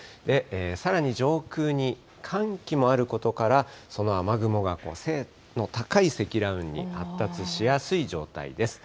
さらに上空に寒気もあることから、その雨雲が背の高い積乱雲に発達しやすい状態です。